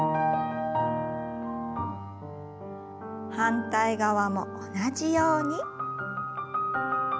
反対側も同じように。